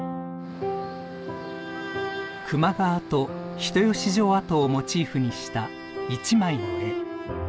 球磨川と人吉城跡をモチーフにした一枚の絵。